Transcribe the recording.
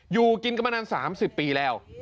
อยู่กินกำลัง๓๐ปีแล้ว